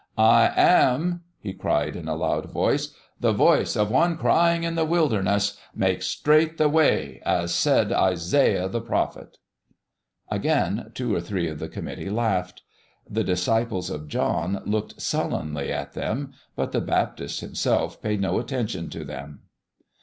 "I am," he cried, in a loud voice, "the voice of one crying in the wilderness: Make straight the way, as said Isaiah, the prophet." Again two or three of the committee laughed. The disciples of John looked sullenly at them, but the Baptist himself paid no attention to them.